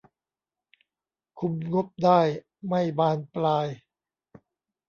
คุมงบได้ไม่บานปลาย